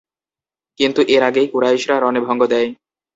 কিন্তু এর আগেই কুরাইশরা রণে ভঙ্গ দেয়।